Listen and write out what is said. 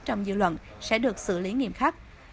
trong dư luận sẽ được xử lý nghiêm khắc